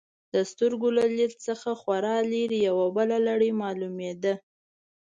د سترګو له دید څخه خورا لرې، یوه بله لړۍ معلومېده.